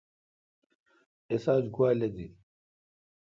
اِس آج گوا لدیل۔